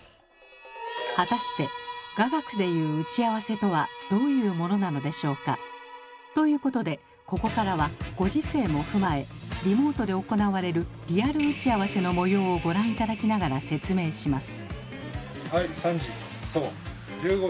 果たして雅楽でいう打ち合わせとはどういうものなのでしょうか？ということでここからはご時世も踏まえリモートで行われるリアル打ち合わせの模様をご覧頂きながら説明します。